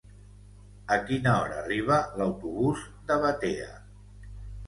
A quina hora arriba l'autobús de Batea?